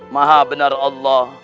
maha benar allah